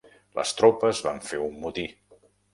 Les tropes van fer un motí.